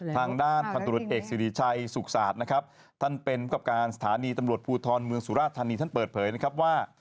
ทางด้านพันธุรกิจเอกสิริชัยสุขศาสตร์นะครับท่านเป็นกับการสถานีตำรวจภูทรเมืองสุราธานีท่านเปิดเผยนะครับว่า